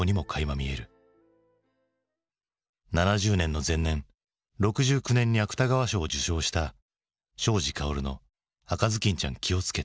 ７０年の前年６９年に芥川賞を受賞した庄司薫の「赤頭巾ちゃん気をつけて」。